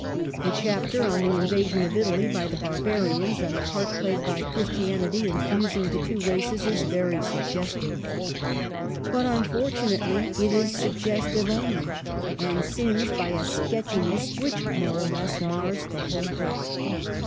The chapter on the invasion of Italy by the barbarians, and the part played by Christianity in fusing the two races, is very suggestive. But, unfortunately, it is suggestive only, and sins by a sketchiness which, more or less, mars the whole book.